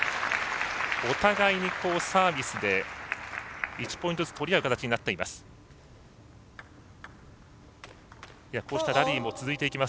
お互いにサービスで１ポイントずつ取り合う形になっています。